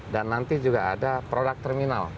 dan nanti juga ada produk terminal